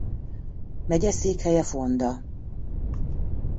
Megyeszékhelye Fonda.